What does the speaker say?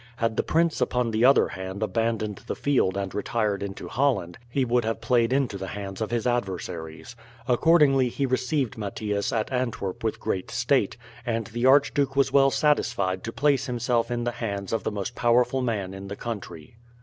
Had the prince upon the other hand abandoned the field and retired into Holland, he would have played into the hands of his adversaries. Accordingly he received Mathias at Antwerp with great state, and the archduke was well satisfied to place himself in the hands of the most powerful man in the country.